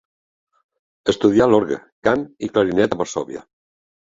Estudià l'orgue, cant i clarinet a Varsòvia.